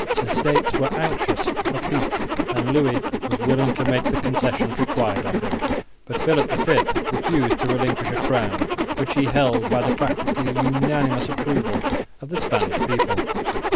The States were anxious for peace and Louis was willing to make the concessions required of him, but Philip V refused to relinquish a crown which he held by the practically unanimous approval of the Spanish people.